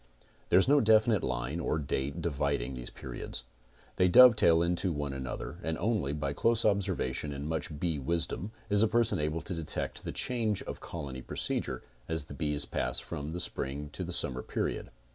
There is no definite line or date dividing these periods. They dovetail into one another and only by close observance and much bee wisdom is a person able to detect the change of colony procedure as the bees pass from the spring to the summer period.